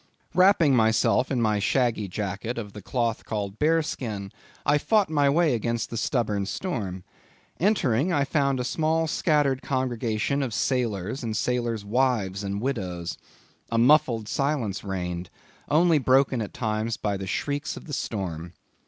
Wrapping myself in my shaggy jacket of the cloth called bearskin, I fought my way against the stubborn storm. Entering, I found a small scattered congregation of sailors, and sailors' wives and widows. A muffled silence reigned, only broken at times by the shrieks of the storm.